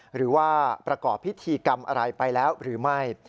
หรือว่าประกอบพิธีกรรมอะไรไปแล้วหรือไม่